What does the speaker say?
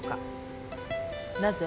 なぜ？